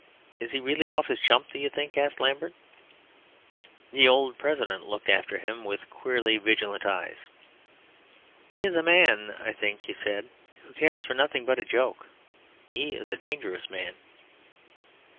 "Is he really off his chump, do you think?" asked Lambert. The old President looked after him with queerly vigilant eyes. "He is a man, I think," he said, "who cares for nothing but a joke. He is a dangerous man."